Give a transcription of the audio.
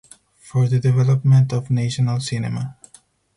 For the development of national cinema.